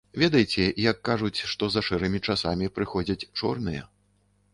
Ведаеце, як кажуць, што за шэрымі часамі прыходзяць чорныя.